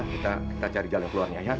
kita cari jalan keluarnya ya